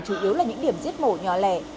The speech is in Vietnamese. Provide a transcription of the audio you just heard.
chủ yếu là những điểm giết mổ nhỏ lẻ